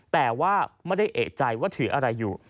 แต่ว่าไม่ได้เอกใจว่าถืออะไรอยู่